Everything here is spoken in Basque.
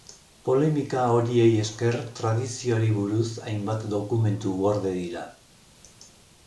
Polemika horiei esker tradizioari buruz hainbat dokumentu gorde dira.